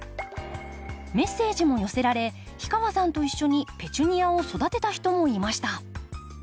メッセージも寄せられ氷川さんと一緒にペチュニアを育てた人もいました。